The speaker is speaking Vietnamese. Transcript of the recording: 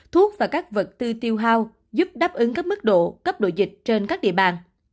thuốc và các vật tư tiêu hao giúp đáp ứng các mức độ cấp độ dịch trên các địa bàn